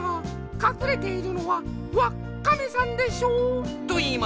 かくれているのはわっカメさんでしょ」といいました。